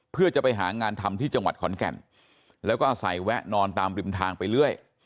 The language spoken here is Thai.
เพื่อจะไปหางานทำที่จังหวัดขอนแก่นแล้วก็อาศัยแวะนอนตามริมทางไปเรื่อย